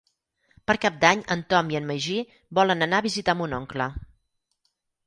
Per Cap d'Any en Tom i en Magí volen anar a visitar mon oncle.